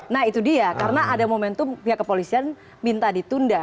nah itu dia karena ada momentum pihak kepolisian minta ditunda